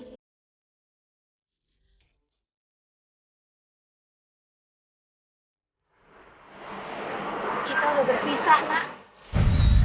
kita udah berpisah nak